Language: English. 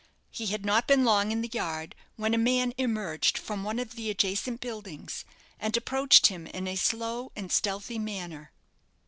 He had not been long in the yard, when a man emerged from one of the adjacent buildings, and approached him in a slow and stealthy manner.